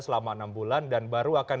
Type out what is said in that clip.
selama enam bulan dan baru akan